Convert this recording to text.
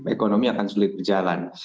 ekonomi akan sulit berjalan